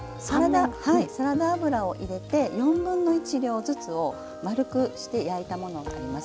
サラダ油を入れて４分の１量ずつを丸くして焼いたものになります。